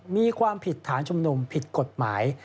มีความผิดฐานชุมนุมผิดกฎหมาย